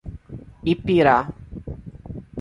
Ipirá